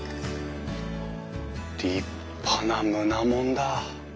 立派な棟門だ。